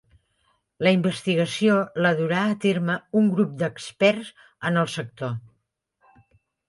La investigació la durà a terme un grup d'experts en el sector.